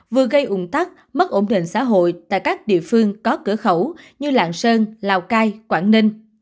vừa gây ủng tắc mất ổn định xã hội tại các địa phương có cửa khẩu như lạng sơn lào cai quảng ninh